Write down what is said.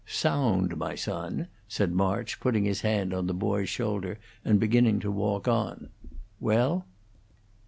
"Sound, my son," said March, putting his hand on the boy's shoulder and beginning to walk on. "Well?"